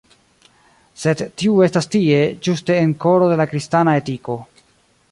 Sed tiu estas tie, ĝuste en “koro de la kristana etiko”.